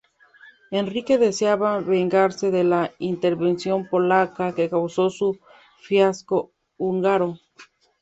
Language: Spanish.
Enrique deseaba vengarse de la intervención polaca que causó su fiasco húngaro.